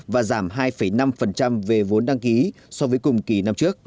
và giảm hai năm về vốn đăng ký so với cùng kỳ năm trước